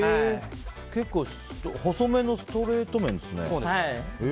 結構細めのストレート麺ですよね。